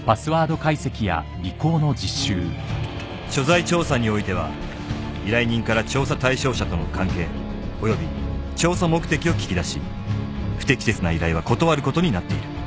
所在調査においては依頼人から調査対象者との関係および調査目的を聞き出し不適切な依頼は断ることになっているうっ！？